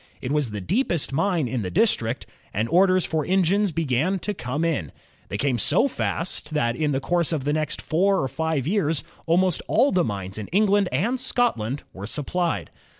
It was the deepest mine in the district, and orders for engines began to come in. They came so fast that in the course of the next four or JAMES WATT 21 five years almost all the mines in England and Scotland were supplied.